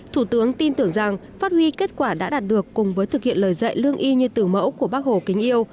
thủ tướng tin tưởng rằng phát huy kết quả đã đạt được cùng với thực hiện lời dạy lương y như từ mẫu của bác hồ kính yêu